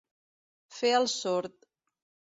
Fer el sord.